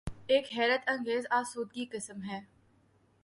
ایک حیرت انگیز آسودگی قسم ہے۔